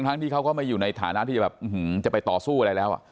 ที่เขาก็ไม่อยู่ในฐานะที่แบบจะไปต่อสู้อะไรแล้ว